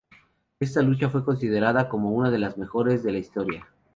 Ésta lucha fue considerada como una de las mejores de la historia.